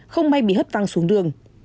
không may bị hất văng xuống đường